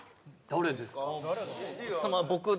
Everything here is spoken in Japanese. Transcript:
誰ですか？